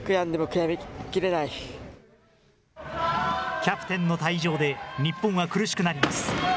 キャプテンの退場で、日本は苦しくなります。